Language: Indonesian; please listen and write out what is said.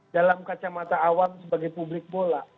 dalam kacamata awam sebagai publik bola